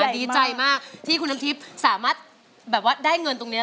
ดีใจมากที่คุณน้ำทิพย์สามารถแบบว่าได้เงินตรงนี้